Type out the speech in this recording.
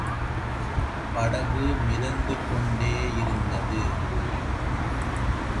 படகு மிதந்து கொண்டே யிருந்தது.